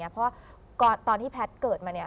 เพราะตอนที่แพทเกิดมา